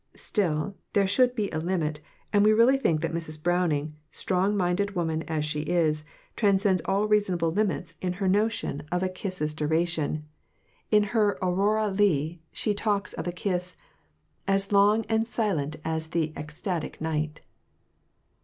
Still, there should be a limit, and we really think that Mrs. Browning, strong minded woman as she is, transcends all reasonable limits in her notions of a kiss's duration. In her 'Aurora Leigh' she talks of a kiss 'As long and silent as the ecstatic night.